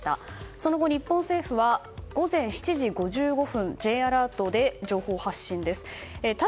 その後、日本政府は午前７時５５分、Ｊアラートで情報を発信しました。